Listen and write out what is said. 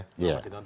terima kasih tuan